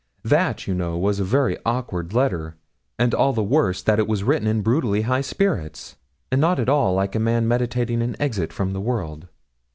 That, you know, was a very awkward letter, and all the worse that it was written in brutally high spirits, and not at all like a man meditating an exit from the world.